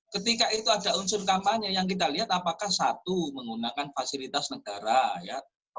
ketika itu ada unsur kampanye yang kita lihat apakah satu menggunakan fasilitas negara ya